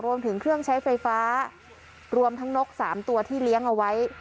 รวมถึงเครื่องใช้ไฟฟ้ารวมทั้งนก๓ตัวที่เลี้ยงเอาไว้